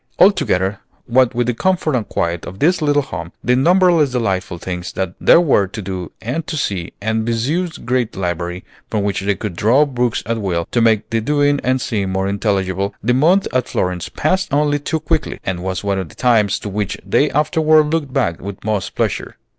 Altogether, what with the comfort and quiet of this little home, the numberless delightful things that there were to do and to see, and Viessieux's great library, from which they could draw books at will to make the doing and seeing more intelligible, the month at Florence passed only too quickly, and was one of the times to which they afterward looked back with most pleasure.